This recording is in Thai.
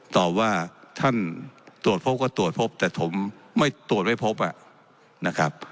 ตอบว่าท่านตรวจพบก็ตรวจพบแต่ผมไม่ตรวจไม่พบนะครับ